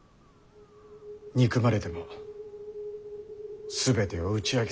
憎まれても全てを打ち明けて。